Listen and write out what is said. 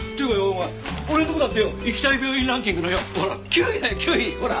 お前俺のとこだってよ行きたい病院ランキングのよほら９位だよ９位！ほら！